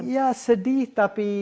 ya sedih tapi